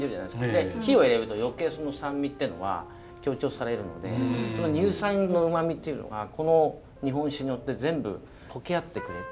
で火を入れると余計その酸味ってのは強調されるので乳酸のうまみというのがこの日本酒によって全部溶け合ってくれる。